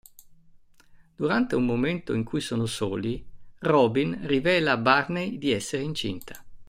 Durante un momento in cui sono soli, Robin rivela a Barney di essere incinta.